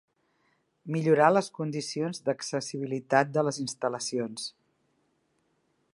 Millorar les condicions d'accessibilitat de les instal·lacions.